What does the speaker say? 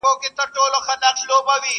د ډاکټر عبدالمجيد کور وو.